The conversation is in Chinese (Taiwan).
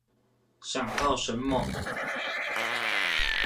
想到什麼